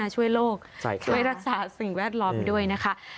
ช่วยรักษาสิ่งแวดล้อมด้วยนะคะ